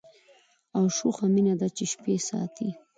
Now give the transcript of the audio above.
او شوخه مینه ده چي شپې ساتي